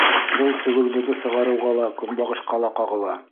Был сөгөлдөрҙө сығарыуға ла, көнбағышҡа ла ҡағыла.